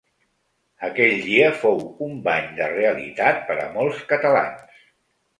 Aquell dia fou un bany de realitat per a molts catalans.